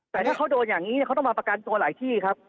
แต่ถ้าเขาโดนอย่างนี้เขาต้องมาประกันตัวหลายที่ครับ